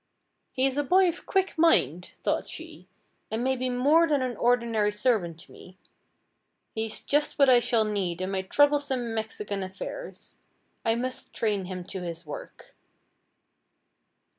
"He is a boy of quick mind," thought she, "and may be more than an ordinary servant to me. He is just what I shall need in my troublesome Mexican affairs. I must train him to his work."